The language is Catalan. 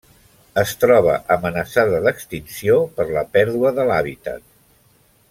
Es troba amenaçada d'extinció per la pèrdua de l'hàbitat.